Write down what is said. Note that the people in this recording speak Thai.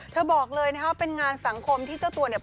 บอกเลยนะครับเป็นงานสังคมที่เจ้าตัวเนี่ย